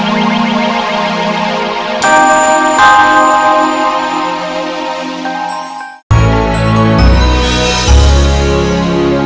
bang urusan satu ya